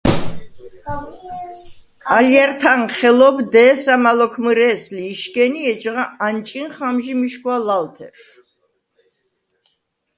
ალჲართა̄ნ ხელობ დე̄სამა ლოქ მჷრე̄ს ლი იშგენ ი ეჯღა ანჭინხ ამჟი მიშგვა ლალთერშვ.